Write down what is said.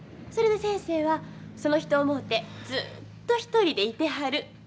それで先生はその人を思うてずっと独りでいてはる。